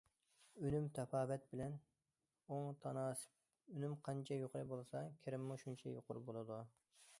ئۈنۈم تاپاۋەت بىلەن ئوڭ تاناسىپ، ئۈنۈم قانچە يۇقىرى بولسا، كىرىممۇ شۇنچە يۇقىرى بولىدۇ.